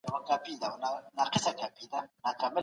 په کڅوڼي کي مي یو زوړ او خوندور کتاب موندلی و.